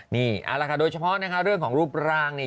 นี่เอาละค่ะโดยเฉพาะนะคะเรื่องของรูปร่างนี่